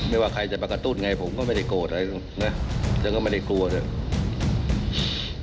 ว่าใครจะมากระตุ้นไงผมก็ไม่ได้โกรธอะไรนะฉันก็ไม่ได้กลัวเถอะ